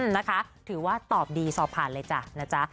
นะคะถือว่าตอบดีสอบผ่านเลยจ้ะนะจ๊ะ